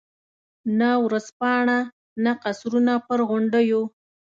نه ورځپاڼه، نه قصرونه پر غونډیو.